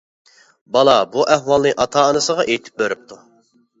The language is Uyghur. بالا بۇ ئەھۋالنى ئاتا-ئانىسىغا ئېيتىپ بېرىپتۇ.